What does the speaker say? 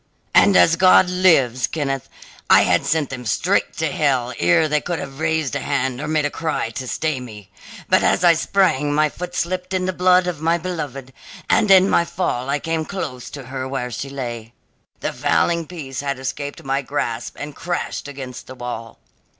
And, as God lives, Kenneth, I had sent them straight to hell ere they could have raised a hand or made a cry to stay me. But as I sprang my foot slipped in the blood of my beloved, and in my fall I came close to her where she lay. The fowling piece had escaped my grasp and crashed against the wall.